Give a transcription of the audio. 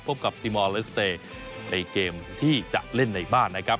พบกับติมอลเลสเตย์ในเกมที่จะเล่นในบ้านนะครับ